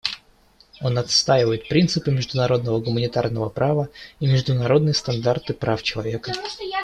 Он отстаивает принципы международного гуманитарного права и международные стандарты прав человека.